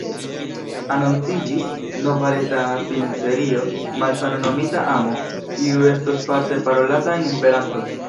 Anonciĝis nova reta filmserio, “Malsano Nomita Amo”, kiu estos parte parolata en Esperanto.